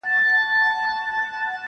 د چا دغه د چا هغه ورته ستايي-